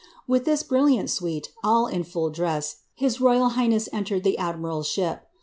With this brilliant suite, all in full dress, his royal higlmess I the admiral's ship.